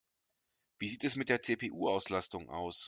Wie sieht es mit der CPU-Auslastung aus?